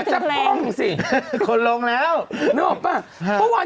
ขันแล้วมองหน้ากันแบบ